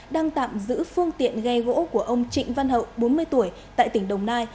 đang tạm giữ phương tiện ghe gỗ của ông trịnh văn hậu bốn mươi tuổi tại tỉnh đồng nai